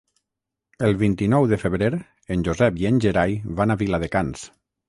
El vint-i-nou de febrer en Josep i en Gerai van a Viladecans.